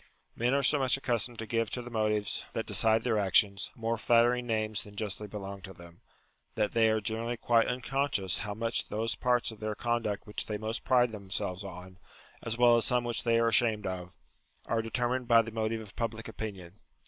Men are so much accustomed to give to the motives that decide their actions, more flattering names than justly belong to them, that they are generally quite unconscious how much those parts of their conduct which they most pride themselves on (as well as some which they are ashamed of), are determined by the motive of public opinion.